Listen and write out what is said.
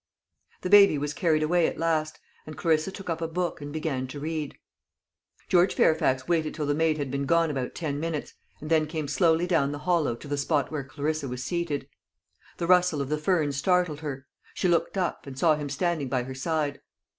The baby was carried away at last, and Clarissa took up a book and began to read. George Fairfax waited till the maid had been gone about ten minutes, and then came slowly down the hollow to the spot where Clarissa was seated. The rustle of the fern startled her; she looked up, and saw him standing by her side.